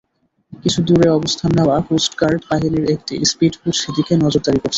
কিছু দূরে অবস্থান নেওয়া কোস্টগার্ড বাহিনীর একটি স্পিডবোট সেদিকে নজরদারি করছে।